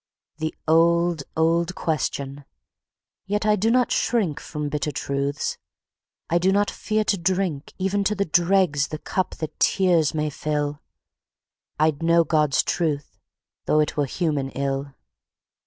The old, old question! yet I do not shrinkFrom bitter truths; I do not fear to drinkEven to the dregs the cup that tears may fill;I 'd know God's truth, though it were human ill.